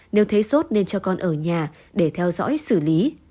nếu thấy sốt nên cho con ở nhà để theo dõi xử lý